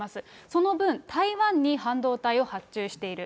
その分、台湾に半導体を発注している。